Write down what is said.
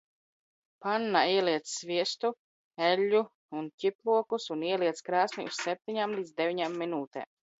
Pannā ieliec sviestu, eļļu un ķiplokus un ieliec krāsnī uz septiņām līdz deviņām minūtēm.